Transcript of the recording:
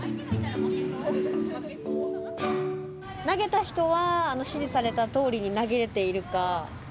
投げた人は指示されたとおりに投げれているか。